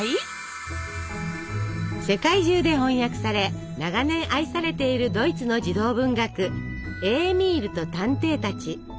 世界中で翻訳され長年愛されているドイツの児童文学「エーミールと探偵たち」。